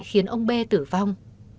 khiến ông b tử vong